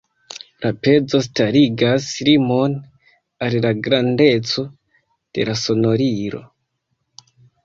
La pezo starigas limon al la grandeco de la sonorilo.